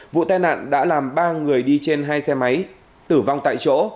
vụ tai nạn đã làm ba người đi trên hai xe máy tử vong tại chỗ